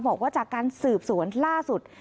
บอกว่าจากการสืบสวนล่าสุด